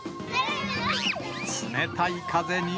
冷たい風に。